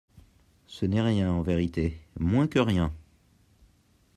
Ce n'est rien, en vérité, moins que rien!